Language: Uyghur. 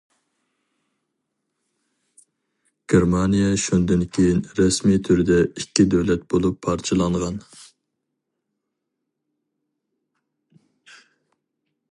گېرمانىيە شۇندىن كىيىن رەسمىي تۈردە ئىككى دۆلەت بولۇپ پارچىلانغان.